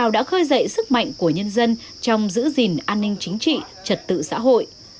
đã khơi dậy sức mạnh của nhân dân trong giữ gìn an ninh chính trị trật tự xã hội